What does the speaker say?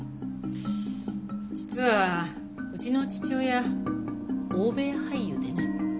実はうちの父親大部屋俳優でね。